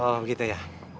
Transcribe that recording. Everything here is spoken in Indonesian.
oh gitu ya